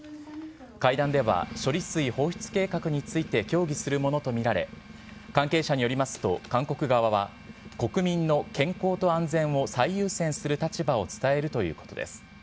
会談では処理水放出計画について協議するものと見られ、関係者によりますと、韓国側は、国民の健康と安全を最優先する立場を伝えるということです。